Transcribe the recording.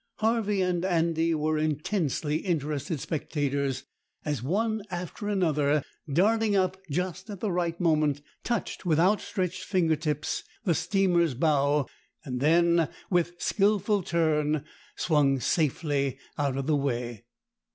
Harvey and Andy were intensely interested spectators as one after another, darting up just at the right moment, touched with outstretched finger tips the steamer's bow, and then, with skilful turn, swung safely out of the way.